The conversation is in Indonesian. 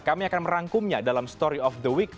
kami akan merangkumnya dalam story of the week